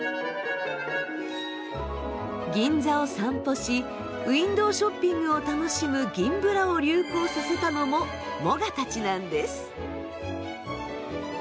銀座を散歩しウインドーショッピングを楽しむ銀ブラを流行させたのもモガたちなんです。